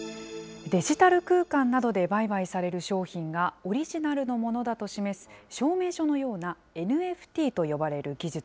デジタル空間などで売買される商品が、オリジナルのものだと示す証明書のようなＮＦＴと呼ばれる技術。